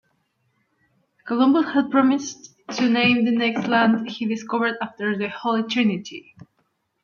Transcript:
Columbus had promised to name the next land he discovered after the "Holy Trinity".